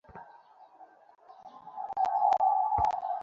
সে মূসার বোনকে বলল, এর পিছনে পিছনে যাও।